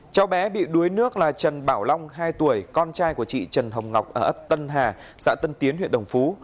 cháu bé bị đuối nước là trần bảo long hai tuổi con trai của chị trần hồng ngọc ở ấp tân hà xã tân tiến huyện đồng phú